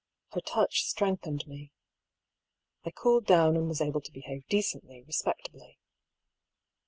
Her touch strengthened me. I cooled down and was able to behave decently, respect ably.